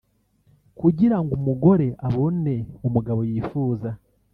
Kugirango umugore abone umugabo yifuza